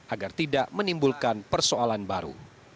agar tidak menimbulkan persoalan baru